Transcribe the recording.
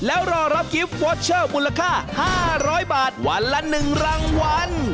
แล้วรอรับกิฟต์วอเชอร์มูลค่า๕๐๐บาทวันละ๑รางวัล